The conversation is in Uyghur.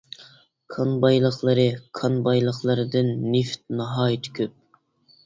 كان بايلىقلىرى كان بايلىقلىرىدىن نېفىت ناھايىتى كۆپ.